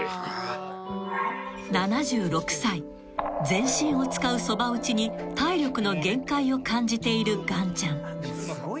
［全身を使うそば打ちに体力の限界を感じているがんちゃん］